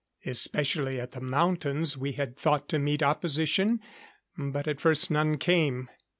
Especially at the mountains we had thought to meet opposition. But at first none came.